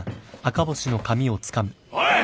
おい！